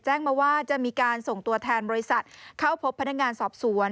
แจ้งมาว่าจะมีการส่งตัวแทนบริษัทเข้าพบพนักงานสอบสวน